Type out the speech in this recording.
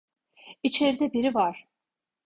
İçeride biri var.